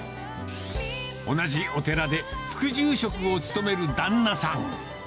同じお寺で副住職を務める旦那さん。